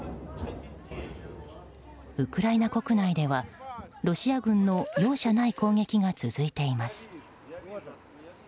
ウクライナ国内ではロシア軍の容赦ない攻撃が続いています。